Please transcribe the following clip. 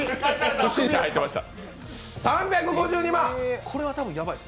不審者入ってました。